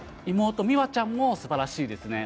美和ちゃんもすばらしいですね。